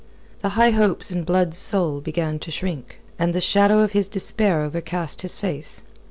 The high hopes in Blood's soul, began to shrink. And the shadow of his despair overcast his face.